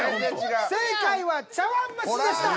正解は茶碗蒸しでした。